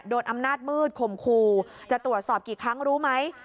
อำนาจมืดข่มขู่จะตรวจสอบกี่ครั้งรู้ไหม